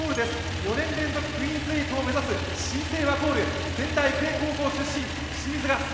４年連続クイーンズ８を目指す新生ワコール、仙台育英高校出身の清水。